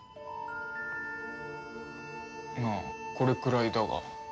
ああこれくらいだが。